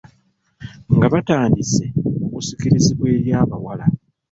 Nga batandise okusikirizibwa eri abawala.